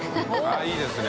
△いいですね。